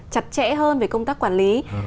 chặt chẽ hơn về công tác quản lý